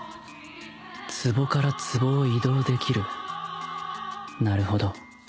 壺から壺を移動できるなるほど